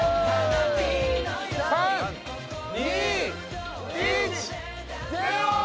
３２１０！